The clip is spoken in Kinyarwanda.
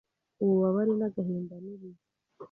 Ububabare n'agahindani bibi